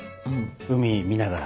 海見ながら。